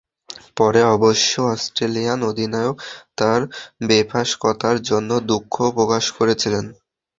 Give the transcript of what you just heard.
পরে অবশ্য অস্ট্রেলিয়ান অধিনায়ক তাঁর বেফাঁস কথার জন্য দুঃখও প্রকাশ করেছিলেন।